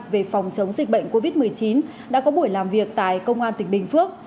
về phòng chống dịch bệnh covid một mươi chín đã có buổi làm việc tại công an tỉnh bình phước